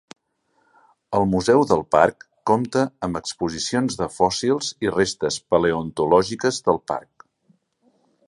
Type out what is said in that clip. El museu del parc compta amb exposicions de fòssils i restes paleontològiques del parc.